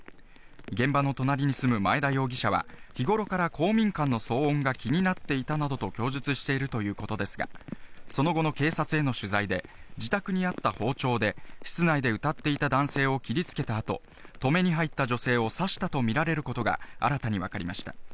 現場の隣に住む前田容疑者は、日頃から公民館の騒音が気になっていたなどと供述しているということですが、その後の警察への取材で自宅にあった包丁で室内で歌っていた男性を切りつけた後、止めに入った女性を刺したとみられることが新たにわかりました。